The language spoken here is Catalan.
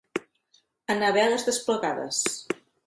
Anar veles desplegades.